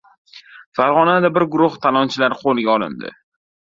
Farg‘onada bir guruh talonchilar qo‘lga olindi